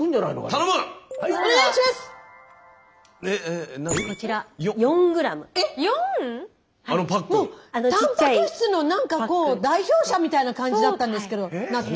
たんぱく質の代表者みたいな感じだったんですけど納豆。